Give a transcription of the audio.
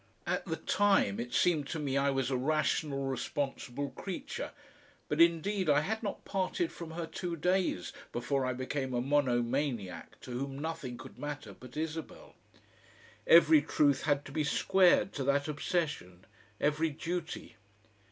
At the time it seemed to me I was a rational, responsible creature, but indeed I had not parted from her two days before I became a monomaniac to whom nothing could matter but Isabel. Every truth had to be squared to that obsession, every duty.